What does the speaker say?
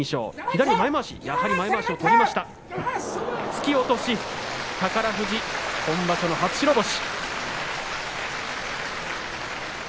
突き落とし宝富士、今場所の初白星。